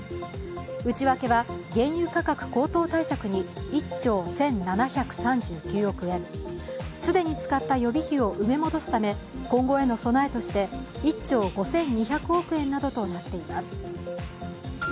内訳は原油価格高騰対策に１兆１７３９億円既に使った予備費を埋め戻すために、今後への備えとして１兆５２００億円などとなっています。